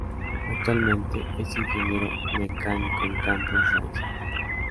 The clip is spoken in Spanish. Actualmente es ingeniero mecánico en Campos Racing.